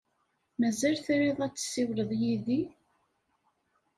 Mazal triḍ ad tessiwleḍ yid-i?